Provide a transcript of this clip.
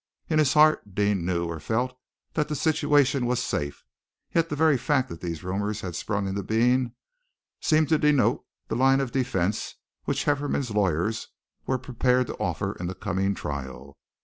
In his heart, Deane knew or felt that the situation was safe. Yet the very fact that these rumors had sprung into being seemed to denote the line of defence which Hefferom's lawyers were prepared to offer in the coming trial.